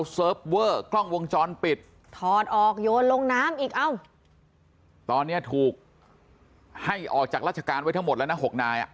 ถอดออกโยนลงน้ำอีกตอนนี้ถูกให้ออกจากราชการไว้ทั้งหมดแล้วนะหกนาย